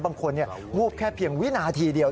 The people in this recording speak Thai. บางคนวูบแค่เพียงวินาทีเดียว